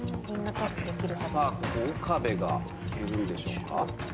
さあここ岡部がいけるんでしょうか？